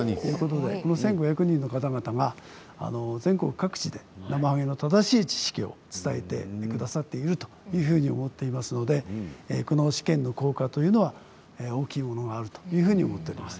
１５００人の方々が全国各地でなまはげの正しい知識を伝えてくださっていると思っていますのでこの試験の効果というのは大きいものがあると思っています。